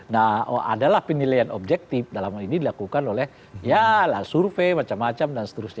nah adalah penilaian objektif dalam hal ini dilakukan oleh ya lah survei macam macam dan seterusnya